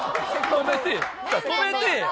止めてや！